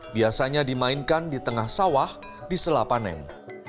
biasanya dimainkan di tengah sawah di selapanen